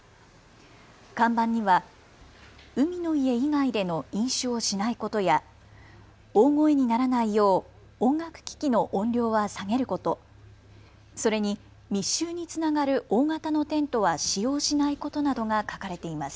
看板には海の家以外での飲酒をしないことや、大声にならないよう音楽機器の音量は下げること、それに密集につながる大型のテントは使用しないことなどが書かれています。